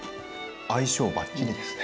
相性ばっちりですね。